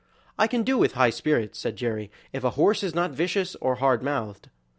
"I can do with high spirits," said Jerry, "if a horse is not vicious or hard mouthed."